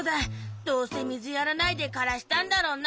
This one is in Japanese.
どうせみずやらないでからしたんだろうな。